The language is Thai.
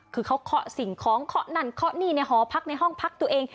คือเขาเคาะสิ่งของเคาะนั่นเคาะนี่ในหอพักในห้องพักตัวเอง